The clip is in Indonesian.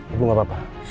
ibu gak apa apa